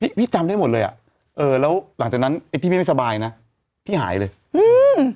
พี่พี่จำได้หมดเลยอ่ะเออแล้วหลังจากนั้นไอ้พี่พี่ไม่สบายนะพี่หายเลยอืม